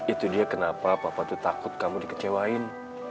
itu dia kenapa papa itu takut kamu dikecewain